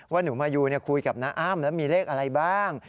ว่าหนูมายูคุยกับน้าอ้ำแล้วมีเลขอะไรบ้าง